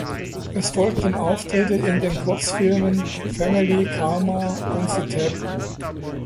Es folgten Auftritte in den Kurzfilmen "Family Karma" und "The Tap".